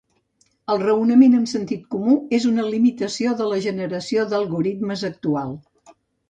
El raonament amb sentit comú és una limitació de la generació d'algoritmes actual.